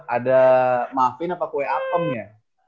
ada maafin apa kue apem ya